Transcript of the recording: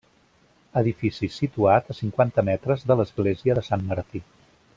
Edifici situat a cinquanta metres de l'església de Sant Martí.